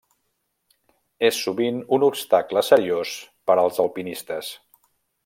És sovint un obstacle seriós per als alpinistes.